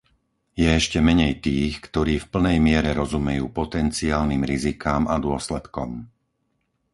Je ešte menej tých, ktorí v plnej miere rozumejú potenciálnym rizikám a dôsledkom.